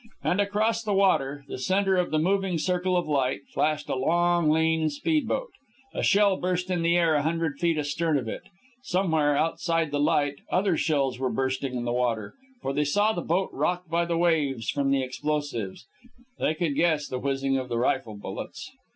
And across the water, the center of the moving circle of light, flashed a long, lean speedboat. A shell burst in the air a hundred feet astern of it. Somewhere, outside the light, other shells were bursting in the water; for they saw the boat rocked by the waves from the explosions. They could guess the whizzing of the rifle bullets.